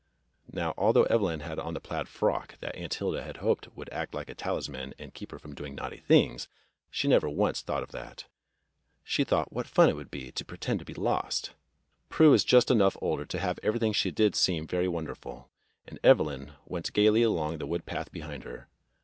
Now, although Evelyn had on the plaid frock that Aunt Hilda had hoped would act like a talisman and keep her from doing naughty things, she never once thought of that; she thought what fun it would be to pretend to be lost. Prue was just enough older to have everything she did seem very wonderful, and Evelyn went gayly along the wood path behind her.